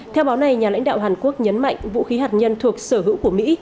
theo báo này nhà lãnh đạo hàn quốc nhấn mạnh vũ khí hạt nhân thuộc sở hữu của mỹ